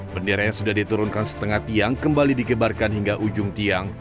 bendera yang sudah diturunkan setengah tiang kembali digebarkan hingga ujung tiang